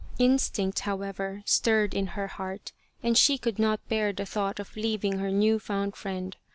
Instinct, however, stirred in her heart, and she could not bear the thought of leaving her new found friend.